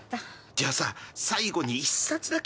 じゃあさ最後に一冊だけ読んで。